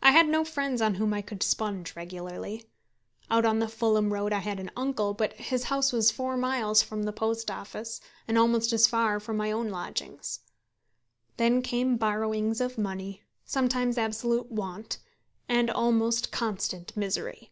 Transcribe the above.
I had no friends on whom I could sponge regularly. Out on the Fulham Road I had an uncle, but his house was four miles from the Post Office, and almost as far from my own lodgings. Then came borrowings of money, sometimes absolute want, and almost constant misery.